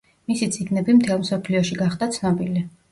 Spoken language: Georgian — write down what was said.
მისი წიგნები მთელ მსოფლიოში გახდა ცნობილი.